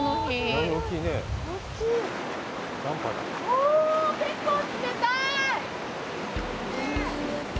おー、結構冷たい！